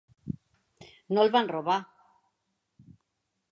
No el vam robar.